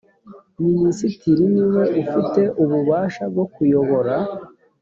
minisitiri ni we ufite ububasha bwo kuyobora.